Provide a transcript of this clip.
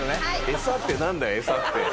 エサってなんだよエサって。